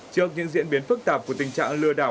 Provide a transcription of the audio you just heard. trước những diễn biến phức tạp của tình trạng lừa đảo